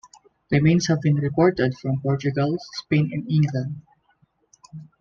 Remains have been reported from Portugal, Spain and England.